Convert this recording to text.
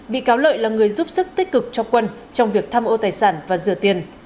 bị cáo lợi là người giúp sức tích cực cho quân trong việc tham ô tài sản và rửa tiền